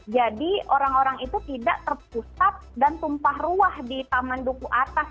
jadi orang orang itu tidak terpusat dan tumpah ruah di taman dukuh atas